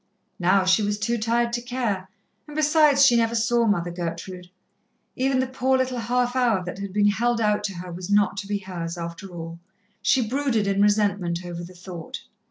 Now, she was too tired to care, and besides, she never saw Mother Gertrude. Even the poor little half hour that had been held out to her was not to be hers, after all. She brooded in resentment over the thought.